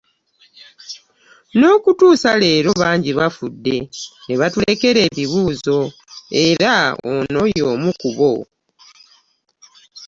N'okutuusa leero, bangi bafudde ne batulekera ebibuuzo era ono y'omu ku bo.